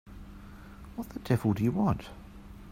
What the devil do you want?